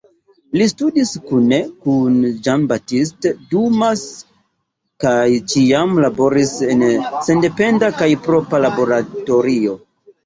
Li studis kune kun Jean-Baptiste Dumas kaj ĉiam laboris en sendependa kaj propra laboratorio.